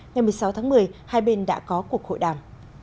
ngày một mươi sáu tháng một mươi hai bên đã có cuộc hội đàm